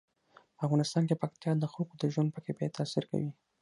په افغانستان کې پکتیا د خلکو د ژوند په کیفیت تاثیر کوي.